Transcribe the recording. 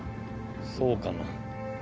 そうかな。